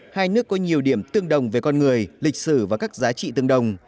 hai nước có nhiều điểm tương đồng về con người lịch sử và các giá trị tương đồng